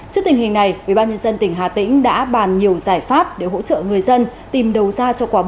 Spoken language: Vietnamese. trước tình hình này ubnd tỉnh hà tĩnh đã bàn nhiều giải pháp để hỗ trợ người dân tìm đầu ra cho quả